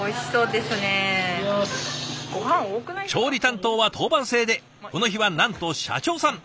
調理担当は当番制でこの日はなんと社長さん。